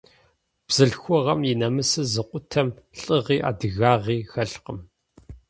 Бзылъхугъэм и нэмысыр зыкъутэм, лӀыгъи, адыгагъи хэлъкъым.